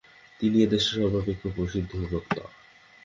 তিনি এ দেশের সর্বাপেক্ষা প্রসিদ্ধ বক্তা।